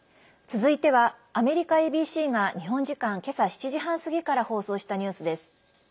続いてはアメリカＡＢＣが日本時間、けさ７時半すぎから放送したニュースです。